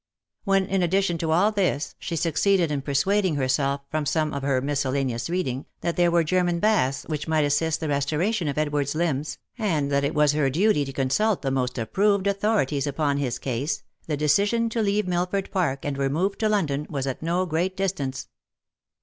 When, in addition to all this, she succeeded in persuading herself, from some of her miscellaneous reading, that there were Ger man baths which might assist the restoration, of Edward's limbs, and 296 THE LIFE AND ADVENTURES that it was her duty to consult the most approved authorities upon his case, the decision to leave Milford Park, and remove to London, was at no great distance.